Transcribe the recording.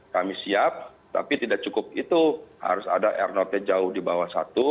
kami siap tapi tidak cukup itu harus ada r note nya jauh di bawah satu